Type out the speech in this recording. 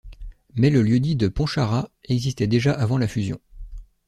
Mais le lieu-dit de Pontcharra existait déjà avant la fusion.